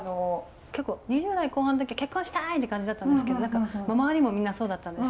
２０代後半の時結婚したいって感じだったんですけど周りもみんなそうだったんです。